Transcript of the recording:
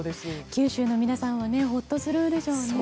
九州の方々はほっとするでしょうね。